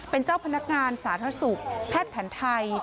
เป็นเจ้าพนักงานสาธารณสุขแพทย์แผนไทย